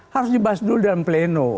harus dibahas dulu dalam pleno